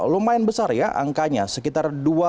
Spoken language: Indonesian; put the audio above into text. lumayan besar ya angkanya sekitar dua lima miliar rupiah